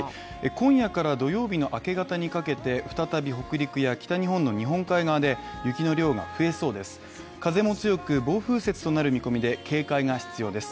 今夜から土曜日の明け方にかけて再び北陸や北日本の日本海側で雪の量が増えそうです。